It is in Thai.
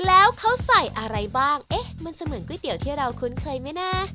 แล้วเขาใส่อะไรบ้างเอ๊ะมันจะเหมือนก๋วยเตี๋ยวที่เราคุ้นเคยไหมนะ